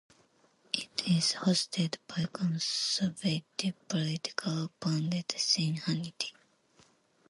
It is hosted by conservative political pundit Sean Hannity.